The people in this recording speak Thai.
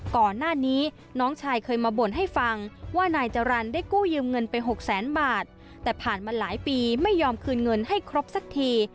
ก่อนหน้านี้น้องชายเคยมาบ่นให้ฟังว่านายจรรย์ได้กู้ยืมเงินไปหกแสนบาทแต่ผ่านมาหลายปีไม่ยอมคืนเงินให้ครบสักที